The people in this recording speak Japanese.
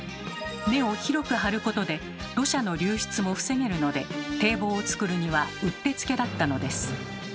根を広く張ることで土砂の流出も防げるので堤防を造るにはうってつけだったのです。